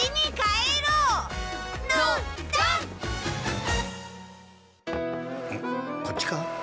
んっこっちか？